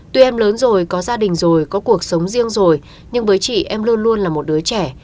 tuy em lớn rồi có gia đình rồi có cuộc sống riêng rồi nhưng với chị em luôn luôn là một đứa trẻ